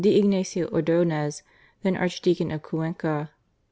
Ignazio Ordonez, then Archdeacon of Cuenca.